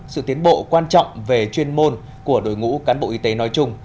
sự tiến bộ quan trọng về chuyên môn của đội ngũ cán bộ y tế nói chung